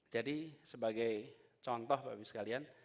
jadi sebagai contoh bapak ibu sekalian